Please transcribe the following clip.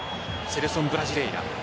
セレソンブラジレイヤ。